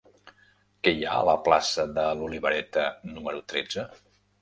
Què hi ha a la plaça de l'Olivereta número tretze?